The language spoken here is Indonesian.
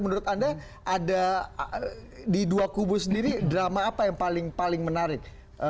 menurut anda ada di dua kubu sendiri drama apa yang paling menarik